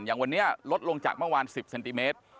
อย่างวันนี้ลดลงจากเมื่อวาน๑๐เซนติเมตร